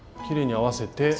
きれいに合わせて。